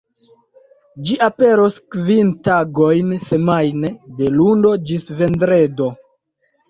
Ĝi aperos kvin tagojn semajne, de lundo ĝis vendredo.